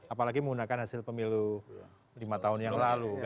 apalagi menggunakan hasil pemilu lima tahun yang lalu